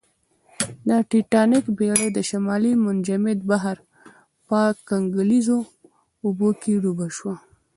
د ټیټانیک بېړۍ د شمالي منجمند بحر په کنګلیزو اوبو کې ډوبه شوه